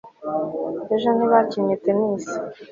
ejo ntibakinnye tennis